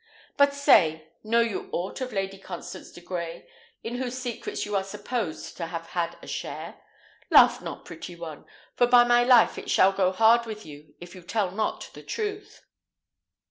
But say, know you aught of Lady Constance de Grey, in whose secrets you are supposed to have had a share? Laugh not, pretty one; for by my life it shall go hard with you if you tell not the truth."